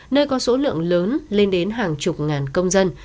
nơi có số lượng lớn lên đến hàng chục ngàn công dân